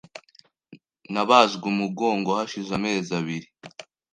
Nabazwe umugongo hashize amezi abiri .